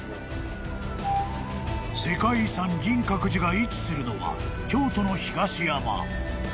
［世界遺産銀閣寺が位置するのは京都の東山］